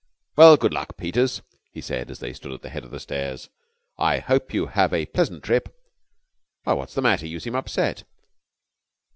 "Well, good luck, Peters," he said, as they stood at the head of the stairs. "I hope you have a pleasant trip. Why, what's the matter? You seem upset."